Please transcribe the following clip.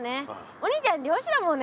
お兄ちゃんりょうしだもんね。